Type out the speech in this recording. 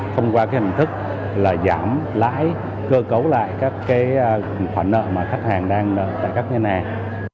thông qua cái hành thức là giảm lái cơ cấu lại các cái khoản nợ mà khách hàng đang nợ tại các ngành hàng